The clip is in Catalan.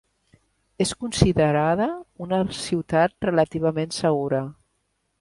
És considerada una ciutat relativament segura.